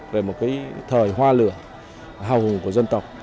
về một cái thời hoa lửa hào hùng của dân tộc